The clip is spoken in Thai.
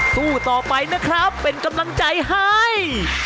สู้ต่อไปนะครับเป็นกำลังใจให้